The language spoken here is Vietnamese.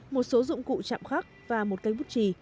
một số dụng cụ chạm khắc và một cây bút trì